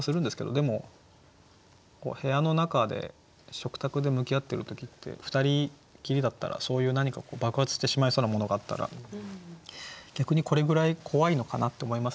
でも部屋の中で食卓で向き合ってる時って２人きりだったらそういう何か爆発してしまいそうなものがあったら逆にこれぐらい怖いのかなって思いますね。